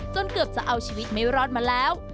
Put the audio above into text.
เกือบจะเอาชีวิตไม่รอดมาแล้ว